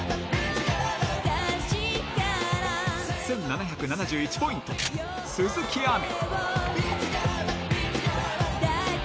１７７１ポイント、鈴木亜美。